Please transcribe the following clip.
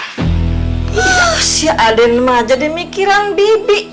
husss ya aden mah jadi mikiran bibi